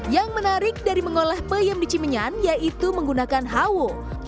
yang menarik dari mengolah peyem di cimenyan yaitu menggunakan hawo